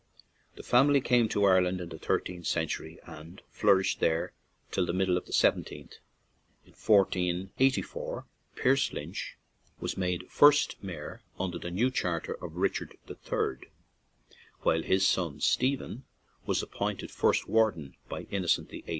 The fam ily came to Ireland in the thirteenth cen tury, and flourished there till the middle of the seventeenth. In 1484 Pierce Lynch was made first mayor under the new char ter of Richard III., while his son Stephen 100 RECESS TO GALWAY was appointed first warden by Innocent VIII.